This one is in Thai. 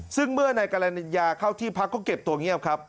ซึ่งเมื่อนายกรรณิญญาเข้าที่พักก็เก็บตัวเงียบครับ